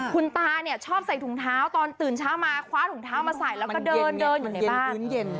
คุณตาเนี่ยชอบใส่ถุงเท้าตอนตื่นเช้ามาคว้าถุงเท้ามาใส่แล้วก็เดินเดินอยู่ในบ้าน